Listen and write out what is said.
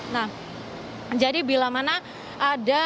nah jadi bila mana ada